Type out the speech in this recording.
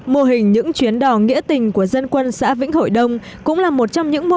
mô hình những chuyến đò nghĩa tình của dân quân xã vĩnh hội đông cũng là một trong những mô